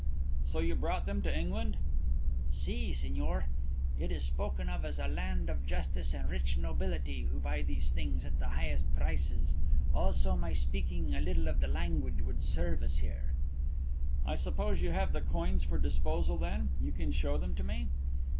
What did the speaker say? "So you brought them to England?" "Si, Signor. It is spoken of as a land of justice and rich nobility who buy these things at the highest prices. Also my speaking a little of the language would serve us here." "I suppose you have the coins for disposal then? You can show them to me?"